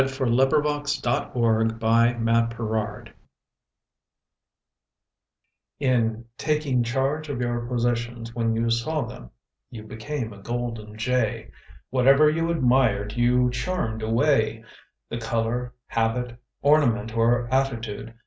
IfARIANNE MOORE 77 FRENCH PEACOCK In "taking charge of your possessions when you saw them," you became a golden jay. Whatever you admired you channed away â The color, habit, ornament or attitude.